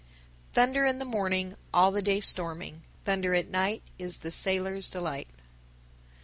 _ 980. Thunder in the morning, All the day storming; Thunder at night Is the sailor's delight.